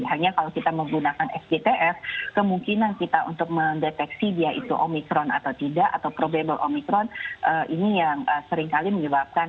hanya kalau kita menggunakan sgtf kemungkinan kita untuk mendeteksi dia itu omikron atau tidak atau probable omikron ini yang seringkali menyebabkan